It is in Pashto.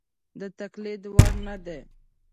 د تقلید وړ نه دي.